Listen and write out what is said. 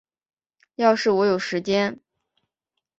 要是我有时间